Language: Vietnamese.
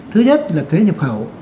thứ nhất là thuế nhập khẩu